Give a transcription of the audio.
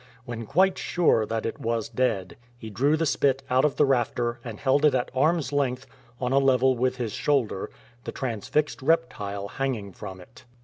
When quite sure that it was dead, he drew the spit out of the rafter and held it at arm''s length on a level with his shoulder, the transfixed reptile hanging from it.